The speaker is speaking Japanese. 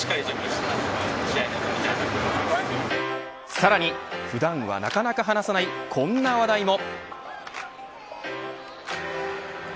さらに普段はなかなか話さないこんな話題も。